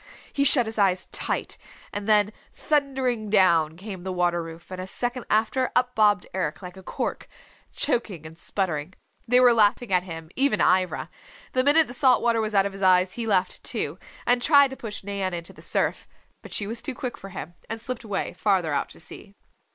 He shut his eyes tight, and then thundering down came the water roof, and a second after, up bobbed Eric like a cork, choking and sputtering. They were laughing at him, even Ivra. The minute the salt water was out of his eyes he laughed, too, and tried to push Nan into the surf. But she was too quick for him, and slipped away, farther out to sea.